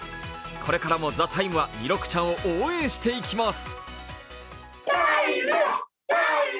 これからも「ＴＨＥＴＩＭＥ，」は弥勒ちゃんを応援していきます。